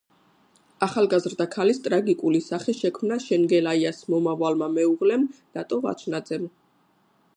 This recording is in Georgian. ახალგაზრდა ქალის ტრაგიკული სახე შექმნა შენგელაიას მომავალმა მეუღლემ ნატო ვაჩნაძემ.